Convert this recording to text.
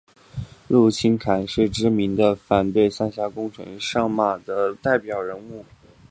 陆钦侃是知名的反对三峡工程上马的代表人物。